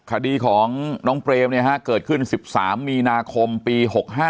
คดีของน้องเปรมเกิดขึ้น๑๓มีนาคมปี๖๕